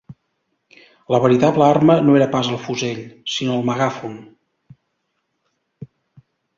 La veritable arma no era pas el fusell, sinó el megàfon